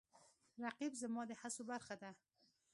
رقیب زما د هڅو برخه ده